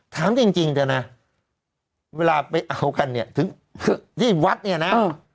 ถามจริงเถอะนะเวลาไปเอากันเนี่ยถึงที่วัดเนี่ยนะ